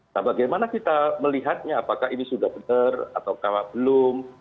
nah bagaimana kita melihatnya apakah ini sudah benar atau kalau belum